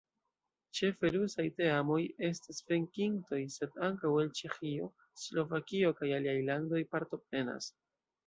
Ĉefe rusaj teamoj estas venkintoj, sed ankaŭ el Ĉeĥio, Slovakio kaj aliaj landoj partoprenas.